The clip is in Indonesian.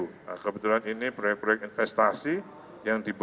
nah kebetulan ini proyek proyek investasi yang dibuat